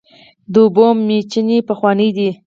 د اوبو میچنې پخوانۍ دي.